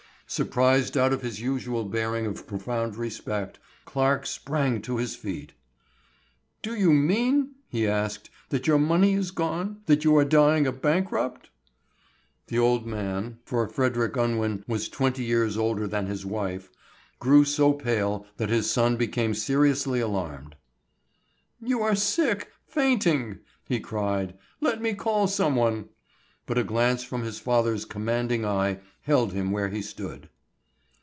Surprised out of his usual bearing of profound respect, Clarke sprang to his feet. "Do you mean," he asked, "that your money is gone; that you are dying a bankrupt?" The old man—for Frederick Unwin was twenty years older than his wife—grew so pale that his son became seriously alarmed. "You are sick—fainting," he cried; "let me call someone." But a glance from his father's commanding eye held him where he stood.